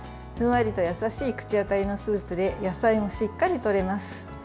ふんわりと優しい口当たりのスープで野菜もしっかりとれます。